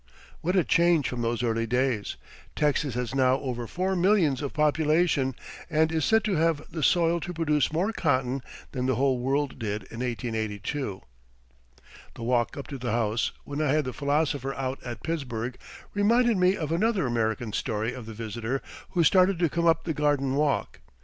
What a change from those early days! Texas has now over four millions of population and is said to have the soil to produce more cotton than the whole world did in 1882. The walk up to the house, when I had the philosopher out at Pittsburgh, reminded me of another American story of the visitor who started to come up the garden walk.